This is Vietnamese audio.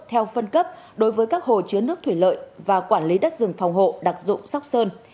theo phân cấp đối với các hồ chứa nước thủy lợi và quản lý đất rừng phòng hộ đặc dụng sóc sơn